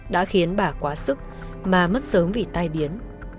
đã khiến bà quá sức mà mất sớm vì tai biến